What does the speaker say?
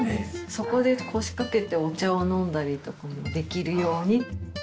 そこで腰掛けてお茶を飲んだりとかもできるように。